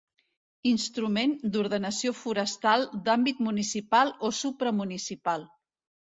Instrument d'ordenació forestal d'àmbit municipal o supramunicipal.